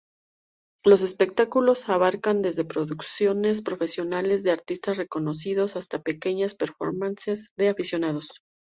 Los espectáculos abarcan desde producciones profesionales de artistas reconocidos hasta pequeñas performances de aficionados.